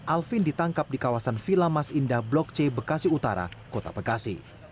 alvin ditangkap di kawasan vila mas indah blok c bekasi utara kota bekasi